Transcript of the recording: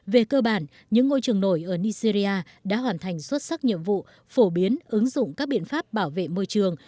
về cơ bản những ngôi trường nổi ở nigeria đã hoàn thành xuất sắc nhiệm vụ phổ biến ứng dụng các biện pháp bảo vệ môi trường